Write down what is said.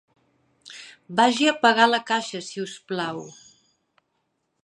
Vagi a pagar a la caixa, si us plau.